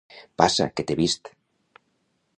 Passa, que t'he vist!